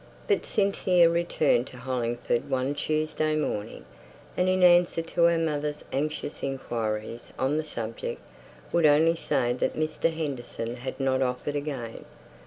But Cynthia returned to Hollingford one Tuesday morning, and in answer to her mother's anxious inquiries on the subject, would only say that Mr. Henderson had not offered again.